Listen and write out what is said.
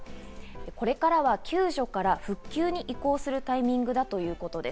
これからは救助から復旧に移行するタイミングだということです。